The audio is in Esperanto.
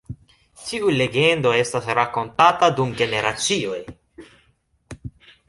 Tiu legendo estas rakontata dum generacioj.